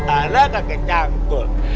ada kakek cangkul